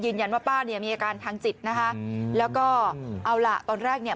ป้าเนี่ยมีอาการทางจิตนะคะแล้วก็เอาล่ะตอนแรกเนี่ย